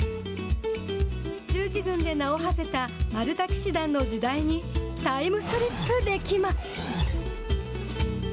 十字軍で名をはせたマルタ騎士団の時代にタイムスリップできます。